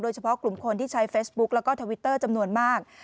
เฉพาะกลุ่มคนที่ใช้เฟซบุ๊กแล้วก็ทวิตเตอร์จำนวนมาก